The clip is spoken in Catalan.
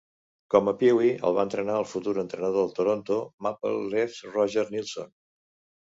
Com a PeeWee el va entrenar el futur entrenador del Toronto Maple Leafs Roger Neilson.